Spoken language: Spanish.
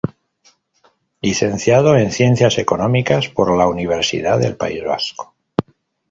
Licenciado en Ciencias Económicas por la Universidad del País Vasco.